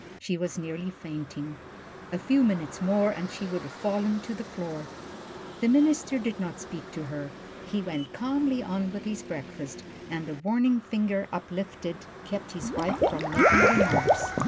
She was nearly fainting. A few minutes more, and she would have fallen to the floor. The minister did not speak to her. He went calmly on with his breakfast, and a warning finger uplifted kept his wife from making remarks.